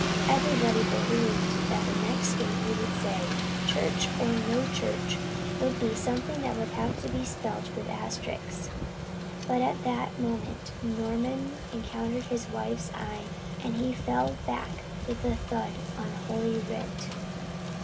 Everybody believed that the next thing he would say, church or no church, would be something that would have to be spelt with asterisks; but at that moment Norman encountered his wife's eye and he fell back with a thud on Holy Writ.